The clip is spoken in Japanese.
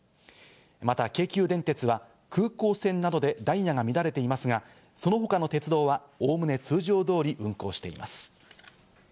また京急電鉄は空港線などでダイヤが乱れていますが、その他の鉄道は概ね通常通り運行しています。